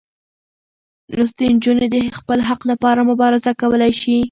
لوستې نجونې د خپل حق لپاره مبارزه کولی شي.